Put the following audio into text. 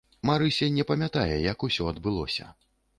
Марыся не памятае, як усё адбылося.